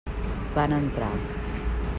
Van entrar.